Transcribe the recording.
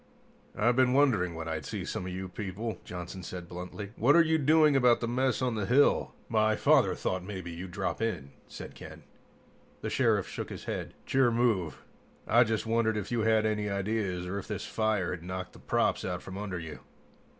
"I've been wondering when I'd see some of you people," Johnson said bluntly. "What are you doing about the mess on the hill?" "My father thought maybe you'd drop in," said Ken. The Sheriff shook his head. "It's your move. I just wondered if you had any ideas, or if this fire had knocked the props out from under you."